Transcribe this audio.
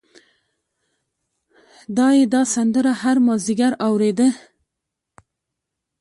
دای دا سندره هر مازدیګر اورېده.